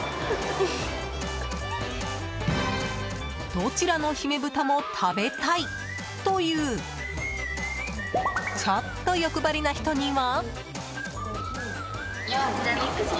どちらの姫豚も食べたいというちょっと欲張りな人には。